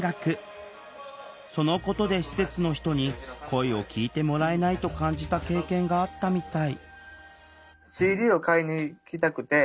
そのことで施設の人に声を聴いてもらえないと感じた経験があったみたい